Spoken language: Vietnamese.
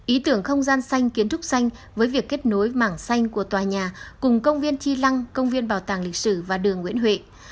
ý tưởng không gian xanh kiến trúc xanh với việc kết nối mảng xanh của tòa nhà cùng công viên chi lăng công viên bảo tàng lịch sử và đường nguyễn huệ